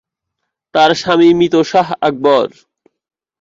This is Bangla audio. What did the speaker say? তার স্বামী মৃত শাহ আকবর।